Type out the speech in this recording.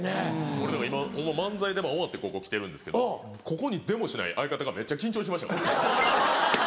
俺今漫才の出番終わってここ来てるんですけどここに出もしない相方がめっちゃ緊張してましたから。